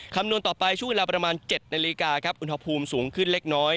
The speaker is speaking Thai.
คำนวณต่อไปช่วงเวลาประมาณ๗นาฬิกาครับอุณหภูมิสูงขึ้นเล็กน้อย